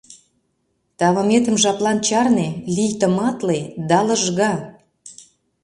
Тавыметым жаплан чарне, лий тыматле да лыжга.